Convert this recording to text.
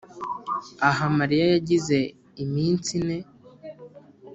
aha mariya yagize iminsi ine